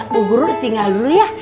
bu guru tinggal dulu ya